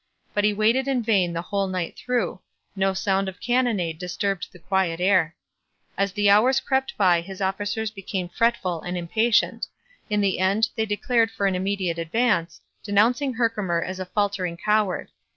But he waited in vain the whole night through; no sound of cannonade disturbed the quiet air. As the hours crept by his officers became fretful and impatient; in the end they declared for an immediate advance, denouncing Herkimer as a faltering coward.